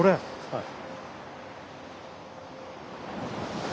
はい。